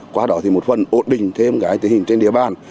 qua đó thì một phần ổn định thêm cái tình hình trên địa bàn